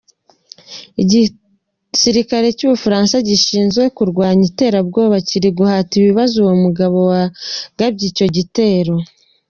Igisirikare cy'Ubufaransa gishinzwe kurwanya iterabwoba kiri guhata ibibazo uwo mugabo wagabye icyo gitero.